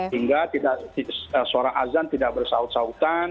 hingga suara azan tidak bersaut sautan